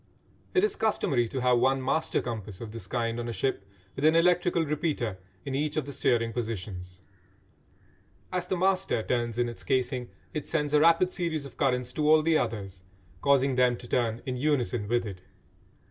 It is customary to have one "master compass" of this kind on a ship, with an electrical repeater in each of the steering positions. As the "master" turns in its casing it sends a rapid series of currents to all the others, causing them to turn in unison with it.